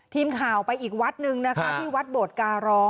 ทีมข่าวไปอีกวัดหนึ่งนะคะ